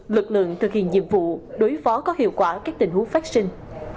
lực lượng thực hiện nhiệm vụ đối phó có hiệu quả các tình huống phát sinh